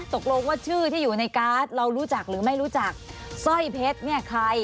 ตกลงว่าชื่อที่อยู่ในการ์ดเรารู้จักหรือไม่รู้จักสร้อยเพชรเนี่ยใคร